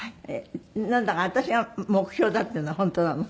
なんだか私が目標だっていうのは本当なの？